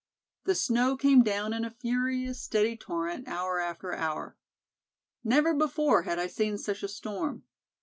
The snow came down in a furious, steady torrent, hour after hour. Never before had I seen such a storm.